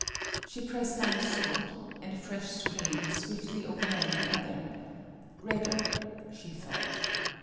She pressed on the sword, and a fresh stream swiftly overran the other redder, she thought.